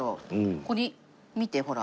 ここに見てほら。